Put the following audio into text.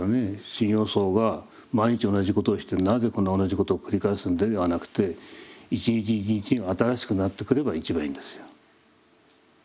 修行僧が毎日同じことをしてるなぜこんな同じことを繰り返すではなくて一日一日が新しくなってくれば一番いいんですよ。